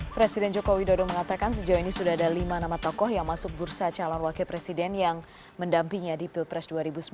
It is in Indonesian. presiden jokowi dodo mengatakan sejauh ini sudah ada lima nama tokoh yang masuk bursa calon wakil presiden yang mendampinginya di pilpres dua ribu sembilan belas